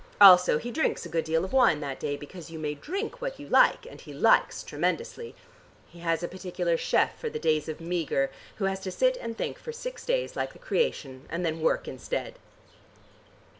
Also he drinks a good deal of wine that day, because you may drink what you like, and he likes tremendously. He has a particular chef for the days of meager, who has to sit and think for six days like the creation, and then work instead."